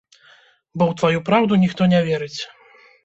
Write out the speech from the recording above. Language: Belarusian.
Бо ў тваю праўду ніхто не верыць.